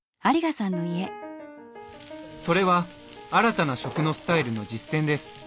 それは新たな食のスタイルの実践です。